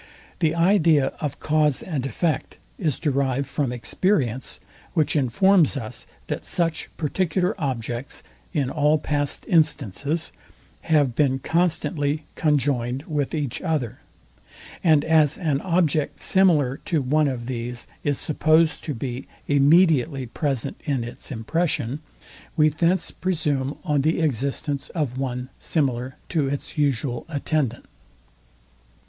The idea of cause and effect is derived from experience, which informs us, that such particular objects, in all past instances, have been constantly conjoined with each other: And as an object similar to one of these is supposed to be immediately present in its impression, we thence presume on the existence of one similar to its usual attendant.